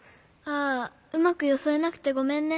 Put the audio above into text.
ああうまくよそえなくてごめんね。